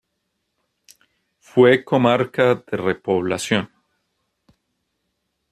Fue comarca de repoblación.